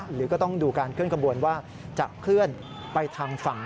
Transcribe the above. หรือก็ต้องดูการเคลื่อนขบวนว่าจะเคลื่อนไปทางฝั่ง